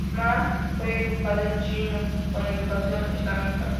Ma fue educado en chino con educación islámica.